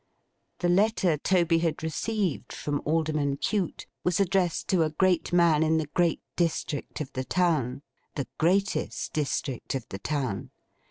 The letter Toby had received from Alderman Cute, was addressed to a great man in the great district of the town. The greatest district of the town.